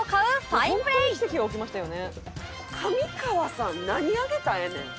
上川さん何あげたらええねん？